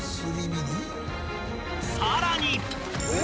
［さらに］